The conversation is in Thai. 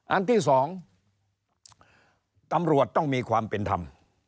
อันที่๒ตำรวจต้องมีความเป็นธรรม